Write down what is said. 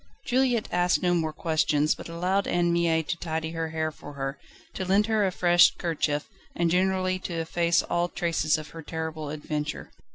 Juliette asked no more questions, but allowed Anne Mie to tidy her hair for her, to lend her a fresh kerchief and generally to efface all traces of her terrible adventure.